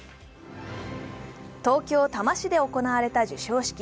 東京・多摩市で行われた授賞式。